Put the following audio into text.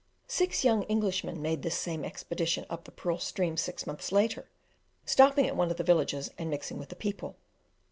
Six young Englishmen made this same excursion up the Pearl stream six months later, stopping at one of the villages and mixing with the people.